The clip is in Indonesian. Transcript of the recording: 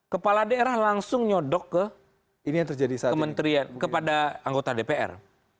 kepala daerah langsung nyodok ke kementerian kepada anggota dpr